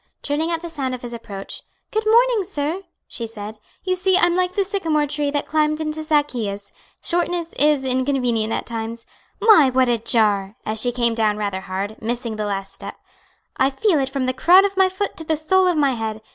Turning at the sound of his approach, "Good morning, sir," she said. "You see I'm like the sycamore tree that climbed into Zaccheus. Shortness is inconvenient at times. My, what a jar!" as she came down rather hard, missing the last step "I feel it from the crown of my foot to the sole of my head.